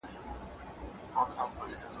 بشر د ډيرو فردي حقوقو لرونکی دی.